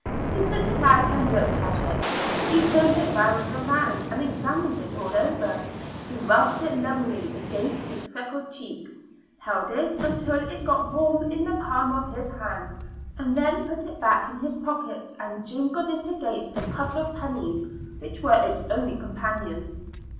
He took it out and looked at it; he turned it round and round and examined it all over. He rubbed it lovingly against his freckled cheek, held it until it got warm in the palm of his hand, and then put it back in his pocket and jingled it against a couple of pennies which were its only companions.